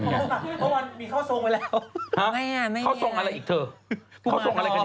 แจ้งเมืองพะมันมีข้าวโซงไว้แล้ว